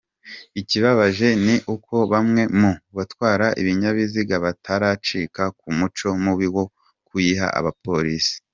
Ikibabaje ni uko bamwe mu batwara ibinyabiziga bataracika ku muco mubi wo kuyiha Abapolisi.